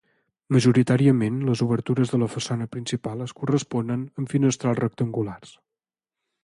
Majoritàriament, les obertures de la façana principal es corresponen amb finestrals rectangulars.